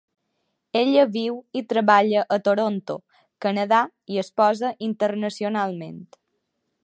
Ella viu i treballa a Toronto, Canadà i exposa internacionalment.